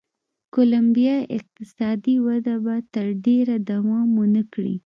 کولمبیا اقتصادي وده به تر ډېره دوام و نه کړي.